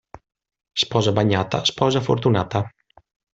Sposa bagnata, sposa fortunata.